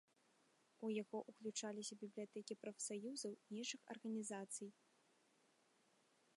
У яго ўключаліся бібліятэкі прафсаюзаў і іншых арганізацый.